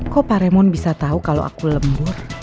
kok pak raymond bisa tahu kalau aku lembur